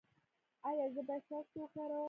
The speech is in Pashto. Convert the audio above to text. ایا زه باید څاڅکي وکاروم؟